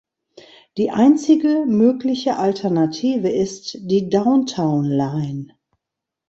Die einzige mögliche Alternative ist die Downtown Line.